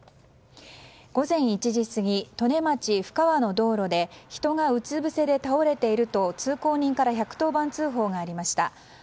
午前１時過ぎ利根町布川の道路で人がうつぶせで倒れていると通行人から１１０番通報がありました。